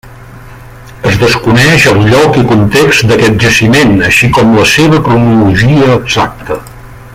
Es desconeix el lloc i context d'aquest jaciment, així com la seva cronologia exacta.